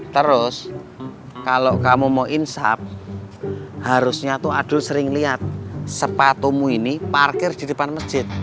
terus kalau kamu mau insaf harusnya tuh aduh sering lihat sepatumu ini parkir di depan masjid